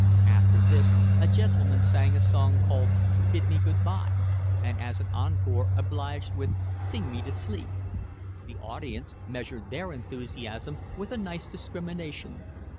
After this a gentleman sang a song called Bid me Good bye, and as an encore obliged with Sing me to Sleep. The audience measured their enthusiasm with a nice discrimination.